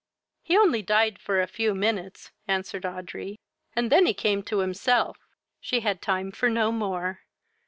"He only died for a few minutes, (answered Audrey, and then he came to himself " She had time for no more.